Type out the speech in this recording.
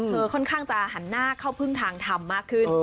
ค่อนข้างจะหันหน้าเข้าพึ่งทางทำมากขึ้น